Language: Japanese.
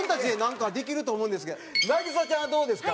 凪咲ちゃんはどうですか？